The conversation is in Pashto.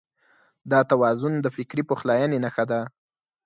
دا توازن د فکري پخلاينې نښه ده.